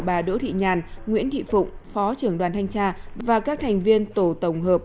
bà đỗ thị nhàn nguyễn thị phụng phó trưởng đoàn thanh tra và các thành viên tổ tổng hợp